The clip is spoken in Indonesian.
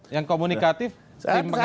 yang komunikatif tim pengacaranya